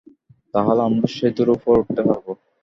তাহলে আমরা সেতুর উপর উঠতে পারব।